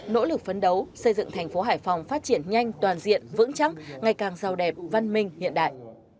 nỗ lực phấn đấu xây dựng thành phố hải phòng phát triển nhanh toàn diện vững chắc ngày càng giàu đẹp văn minh hiện đại